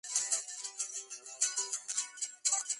La lámina es verde coriácea.